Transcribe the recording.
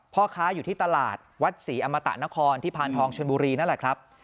พ่อค้าอยู่ที่ตลาดวัดศรีอมตะนครที่พานทองชนบุรีนั่นแหละครับ